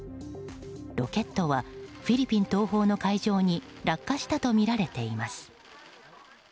ロケットはフィリピン東方の海上に落下したとみられています。